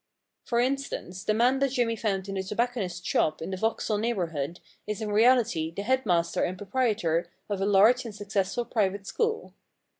* For instance, the man that Jimmy found in the tobacconist's shop in the Vauxhall neighbourhood, is in reality the head master and proprietor of a large and successful private school.